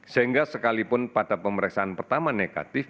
sehingga sekalipun pada pemeriksaan pertama negatif